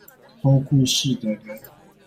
偷故事的人